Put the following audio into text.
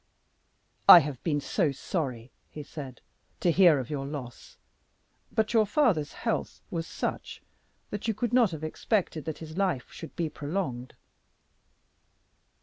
"I have been so sorry," he said, "to hear of your loss; but your father's health was such that you could not have expected that his life should be prolonged."